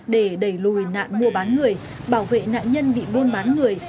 để đẩy lùi nạn mua bán người bảo vệ nạn nhân bị buôn bán người